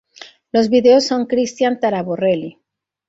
Los vídeos son Cristian Taraborrelli.